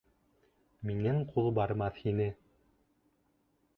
Минең ҡул бармаҫ ине.